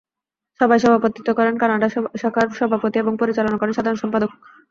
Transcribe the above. সভায় সভাপতিত্ব করেন কানাডা শাখার সভাপতি এবং পরিচালনা করেন সাধারণ সম্পাদক।